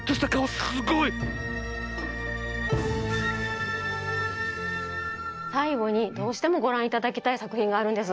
さいごにどうしてもごらんいただきたいさくひんがあるんです。